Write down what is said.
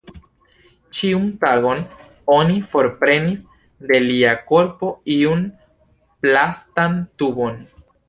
Ĉiun tagon oni forprenis de lia korpo iun plastan tubon.